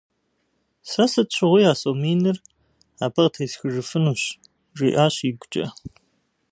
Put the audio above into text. Сэ сыт щыгъуи а сом миныр абы къытесхыжыфынущ, - жиӀэщ игукӀэ.